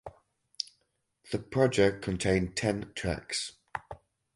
The project contained ten tracks.